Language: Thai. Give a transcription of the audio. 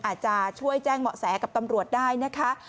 อาจจะช่วยแจ้งเหมาะแสกับตำรวจได้นะคะ